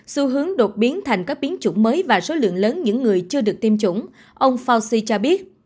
xu hướng đột biến thành các biến chủng mới và số lượng lớn những người chưa được tiêm chủng ông fauci cho biết